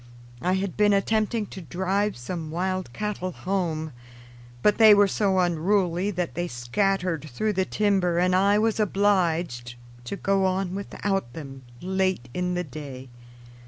I had been attempting to drive some wild cattle home, but they were so unruly that they scattered through the timber and I was obliged to go on without them late in the day.